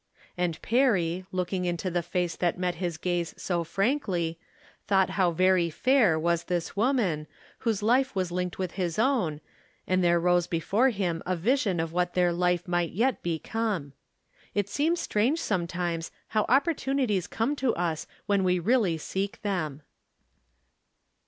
And Perry, looking into tke face that met Ms gaze so frankly, thought how very fair was this woman, whose life was linked with his own, and there rose before him a vision of what their life might yet become. It seems strange, sometimes, how opportunities come to us when we really seek them.